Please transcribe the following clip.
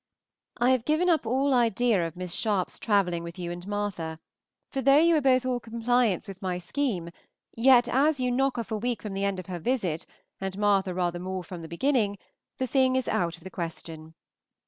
I have given up all idea of Miss Sharpe's travelling with you and Martha, for though you are both all compliance with my scheme, yet as you knock off a week from the end of her visit, and Martha rather more from the beginning, the thing is out of the question.